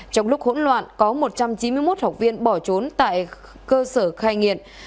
trong lúc hỗn loạn có một trăm chín mươi một học viên bỏ trốn tại cơ sở cai nghiện